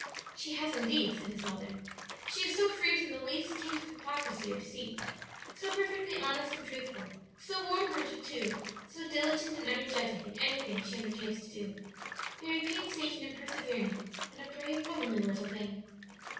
"She has indeed," said his mother; "she is so free from the least taint of hypocrisy or deceit; so perfectly honest and truthful; so warm hearted, too; so diligent and energetic in anything she undertakes to do very painstaking and persevering and a brave, womanly little thing."